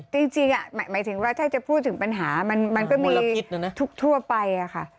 ที่จริงอ่ะถ้าเราจะพูดถึงปัญหามันก็มีทุกไปค่ะ